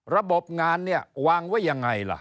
ระบบงานเนี่ยวางไว้ยังไงล่ะ